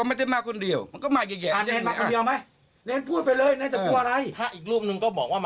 ไม่มีเรากระโดแล้ว